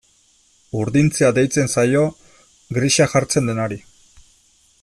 Urdintzea deitzen zaio grisa jartzen denari.